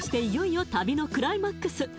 いよいよ旅のクライマックス